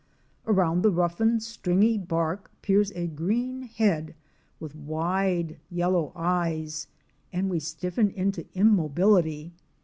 Around the roughened stringy bark peers a green head with wide, yellow eyes, and we stiffen into immobility.